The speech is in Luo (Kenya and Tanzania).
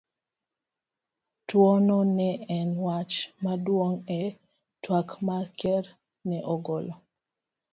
Tuwono ne en wach maduong ' e twak ma Ker ne ogolo